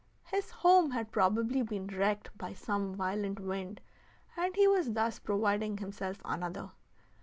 His home had probably been wrecked by some violent wind, and he was thus providing himself another.